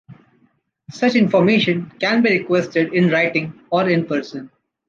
Such information can be requested in writing or in person.